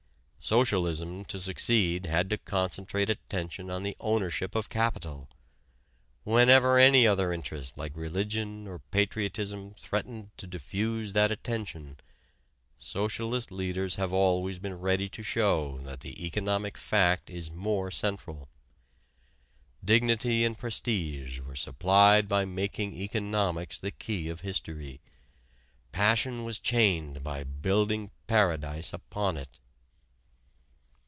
Socialism to succeed had to concentrate attention on the ownership of capital: whenever any other interest like religion or patriotism threatened to diffuse that attention, socialist leaders have always been ready to show that the economic fact is more central. Dignity and prestige were supplied by making economics the key of history; passion was chained by building paradise upon it.